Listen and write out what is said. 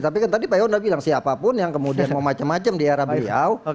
tapi kan tadi pak yonda bilang siapapun yang kemudian mau macam macam di era beliau